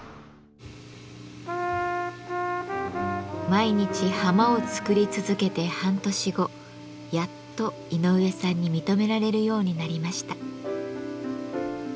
毎日ハマを作り続けて半年後やっと井上さんに認められるようになりました。